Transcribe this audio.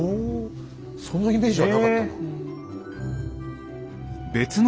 そんなイメージはなかったな。